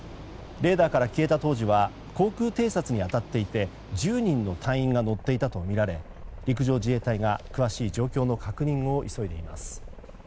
レーダーから消えた当時は航空偵察に当たっていて１０人の隊員が乗っていたとみられ陸上自衛隊が詳しい状況の確認を急いでいます。